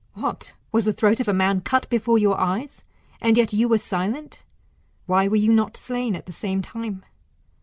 What I was. the throat of a man cut before your eyes, and yet you were silent ? Why were you not slafn at the same time?